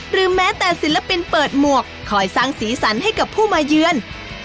แม้แต่ศิลปินเปิดหมวกคอยสร้างสีสันให้กับผู้มาเยือน